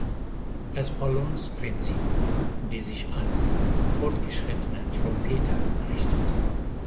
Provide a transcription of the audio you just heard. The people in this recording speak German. Das Balance-Prinzip", die sich an fortgeschrittene Trompeter richtet.